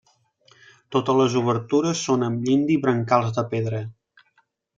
Totes les obertures són amb llinda i brancals de pedra.